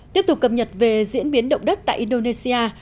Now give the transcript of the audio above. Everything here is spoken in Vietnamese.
tiếp tục cập nhật về diễn biến động đất tại indonesia